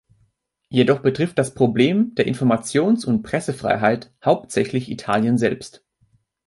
Jedoch betrifft das Problem der Informations- und Pressefreiheit hauptsächlich Italien selbst.